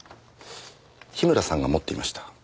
樋村さんが持っていました。